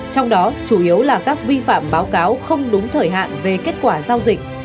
trong đó chủ yếu là các vi phạm báo cáo không đúng thời hạn về kết quả giao dịch